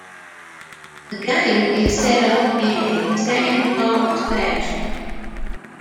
The game is set up in a sandbox fashion.